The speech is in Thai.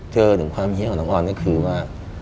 ถึงความเฮียของน้องออนก็คือว่า